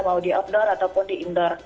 mau di outdoor ataupun di indoor